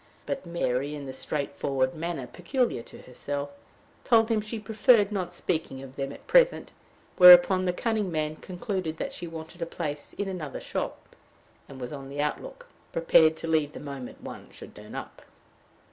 But Mary, in the straightforward manner peculiar to herself, told him she preferred not speaking of them at present; whereupon the cunning man concluded that she wanted a place in another shop, and was on the outlook prepared to leave the moment one should turn up.